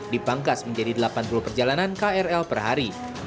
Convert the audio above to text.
dipangkas menjadi delapan puluh perjalanan krl per hari